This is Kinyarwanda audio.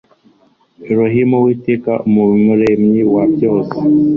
ELOHIMUWITEKA UMUREMYI WA BYOSE